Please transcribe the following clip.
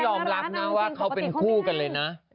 ยอมรับนะว่าเขาเป็นคู่กันเลยนะ